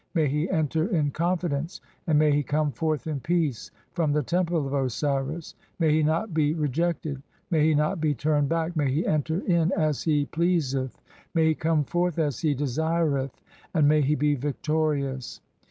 May he enter in confidence, and may he come "forth in peace from the Temple of Osiris. May he not (41) "be rejected, may he not be turned back, may he enter in [as "he] pleaseth, may he come forth [as he] (42) desireth, and may "he be victorious.